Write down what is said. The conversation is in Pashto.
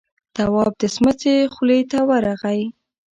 تواب د سمڅې خولې ته ورغی.